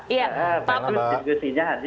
iya pak panut